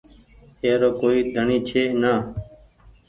اي رو ڪوئي ڍڻي ڇي نآ۔